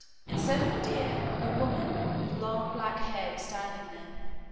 instead of a deer, a woman with long black hair was standing there.